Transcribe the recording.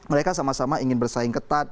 mereka sama sama ingin bersaing ketat